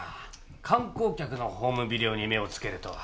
観光客のホームビデオに目を付けるとは。